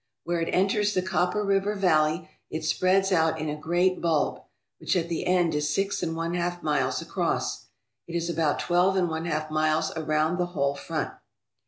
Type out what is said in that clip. Where it enters the Copper River valley it spreads out in a great bulb, which at the end is six and one half miles across. It is about twelve and one half miles around the whole front.